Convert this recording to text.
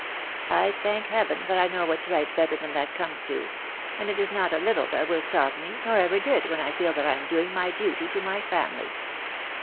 I thank heaven that I know what's right better than that comes to — and it is not a Uttle that will stop me, nor ever did, when I feel that I am doing my duty to my family."